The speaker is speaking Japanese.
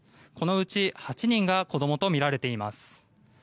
このうち８人が子どもとみられています。